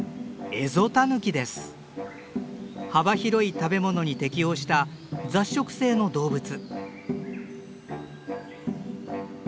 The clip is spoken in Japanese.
幅広い食べ物に適応した雑食性の動物。